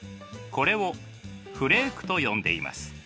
これをフレークと呼んでいます。